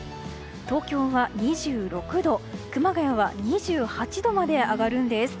東京が２６度、熊谷は２８度まで上がるんです。